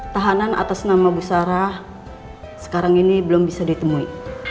tahanan atas nama busara sekarang ini belum bisa ditemui